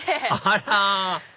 あら！